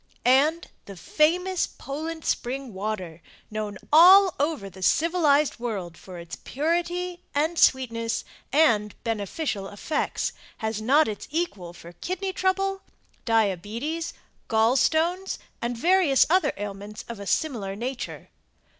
And the famous Poland Spring Water, known all over the civilized world for its purity and sweetness and beneficial effects, has not its equal for kidney trouble, diabetes, gall stones, and various other ailments of a similar nature.